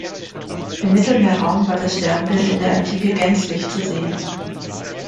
Im Mittelmeerraum war das Sternbild in der Antike gänzlich zu sehen.